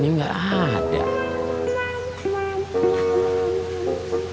nih bolok ke dalam